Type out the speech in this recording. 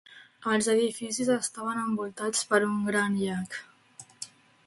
Els edificis estaven envoltats per un gran llac.